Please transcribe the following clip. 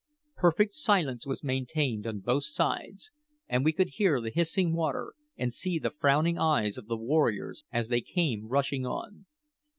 Perfect silence was maintained on both sides; and we could hear the hissing water, and see the frowning eyes of the warriors, as they came rushing on.